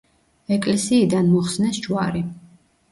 ეკლესიიდან მოხსნეს ჯვარი.